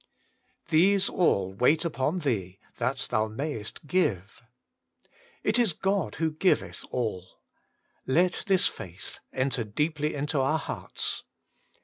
* These all wait upon Thee, that thou mayest give, ' It is God who giveth all : let this faith enter deeply into our hearts.